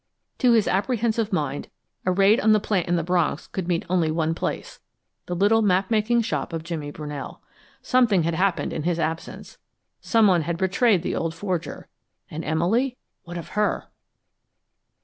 To his apprehensive mind a raid on a plant in the Bronx could mean only one place the little map making shop of Jimmy Brunell. Something had happened in his absence; some one had betrayed the old forger. And Emily what of her?